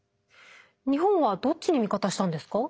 日本はどっちに味方したんですか？